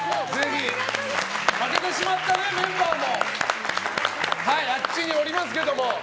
負けてしまったメンバーもあっちにおりますけども。